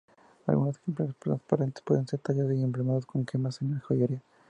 Algunos ejemplares transparente pueden ser tallados y empleados como gemas en joyería.